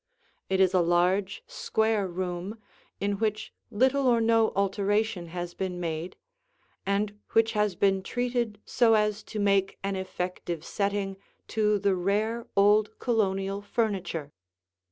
It is a large, square room, in which little or no alteration has been made and which has been treated so as to make an effective setting to the rare old Colonial furniture.